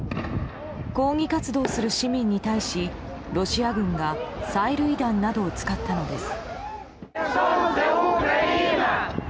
抗議活動する市民に対しロシア軍が催涙弾などを使ったのです。